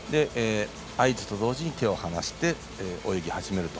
合図と同時に手を離して泳ぎ始めると。